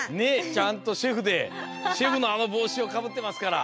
ちゃんとシェフでシェフのあのぼうしをかぶってますから。